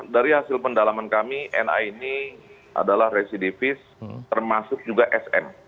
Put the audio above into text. dari hasil pendalaman kami na ini adalah residivis termasuk juga sn